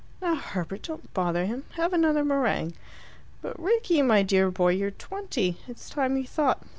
"Now, Herbert, don't bother him. Have another meringue." "But, Rickie, my dear boy, you're twenty. It's time you thought.